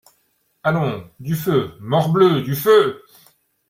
Allons, du feu ! morbleu ! du feu !